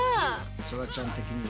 そらちゃん的には。